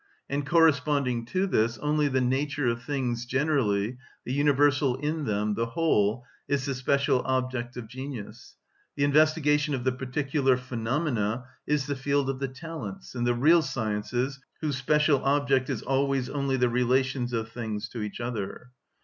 And corresponding to this, only the nature of things generally, the universal in them, the whole, is the special object of genius. The investigation of the particular phenomena is the field of the talents, in the real sciences, whose special object is always only the relations of things to each other.